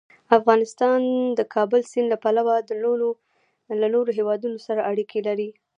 افغانستان د د کابل سیند له پلوه له نورو هېوادونو سره اړیکې لري.